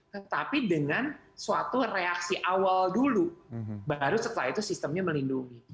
tetapi dengan suatu reaksi awal dulu baru setelah itu sistemnya melindungi